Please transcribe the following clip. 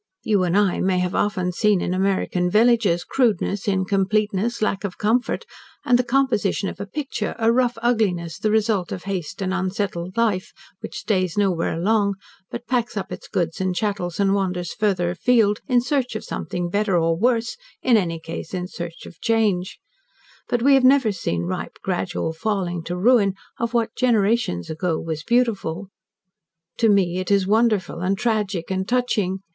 You and I may have often seen in American villages crudeness, incompleteness, lack of comfort, and the composition of a picture, a rough ugliness the result of haste and unsettled life which stays nowhere long, but packs up its goods and chattels and wanders farther afield in search of something better or worse, in any case in search of change, but we have never seen ripe, gradual falling to ruin of what generations ago was beautiful. To me it is wonderful and tragic and touching.